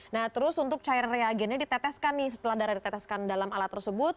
nah terus untuk cairan reagennya diteteskan nih setelah darah diteteskan dalam alat tersebut